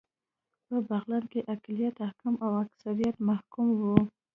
په بغلان کې اقلیت حاکم او اکثریت محکوم و